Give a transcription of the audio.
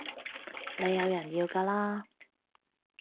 你有人要㗎啦